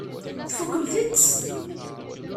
Tfukkemt-tt?